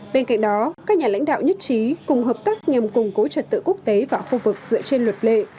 bên cạnh đó các nhà lãnh đạo nhất trí cùng hợp tác nhằm củng cố trật tự quốc tế và khu vực dựa trên luật lệ